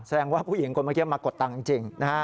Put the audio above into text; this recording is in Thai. แสดงว่าผู้หญิงคนเมื่อกี้มากดตังค์จริงนะฮะ